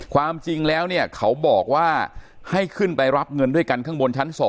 ความจริงแล้วเนี่ยเขาบอกว่าให้ขึ้นไปรับเงินด้วยกันข้างบนชั้น๒